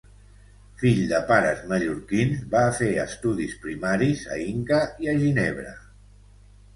Fill de pares mallorquins, va fer estudis primaris a Inca i a Ginebra.